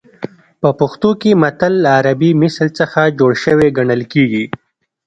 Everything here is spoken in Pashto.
په پښتو کې متل له عربي مثل څخه جوړ شوی ګڼل کېږي